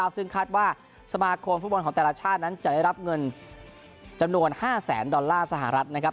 ซึ่งคาดว่าสมาคมฟุตบอลของแต่ละชาตินั้นจะได้รับเงินจำนวน๕แสนดอลลาร์สหรัฐนะครับ